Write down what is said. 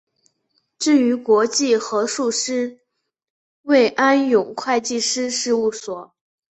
至于国际核数师为安永会计师事务所。